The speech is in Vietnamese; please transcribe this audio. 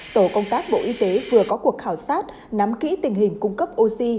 tổ công tác bộ y tế vừa có cuộc khảo sát nắm kỹ tình hình cung cấp oxy